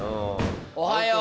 おはよう！